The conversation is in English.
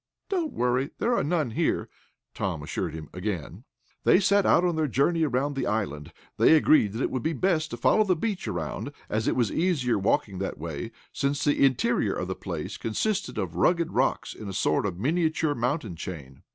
"Don't worry; there are none here," Tom assured him again. They set out on their journey around the island. They agreed that it would be best to follow the beach around, as it was easier walking that way, since the interior of the place consisted of rugged rocks in a sort of miniature mountain chain.